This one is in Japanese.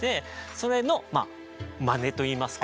それのマネといいますか。